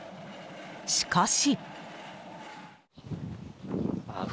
しかし。